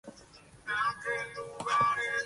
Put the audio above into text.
Su nombre se refiere a la ciudad andaluza de Sevilla.